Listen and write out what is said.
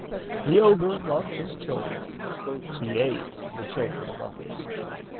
The ogre loved his children; he ate the children of others.